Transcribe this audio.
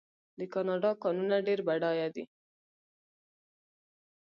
د کاناډا کانونه ډیر بډایه دي.